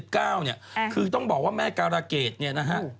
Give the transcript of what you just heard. เกือบ๑๙เนี่ยคือต้องบอกว่าแม่การาเกตเนี่ยนะฮะ